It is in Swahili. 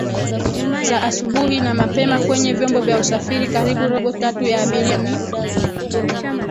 za asubuhi na mapema kwenye vyombo vya usafiri karibu robo tatu ya abiria ni